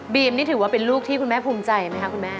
นี่ถือว่าเป็นลูกที่คุณแม่ภูมิใจไหมคะคุณแม่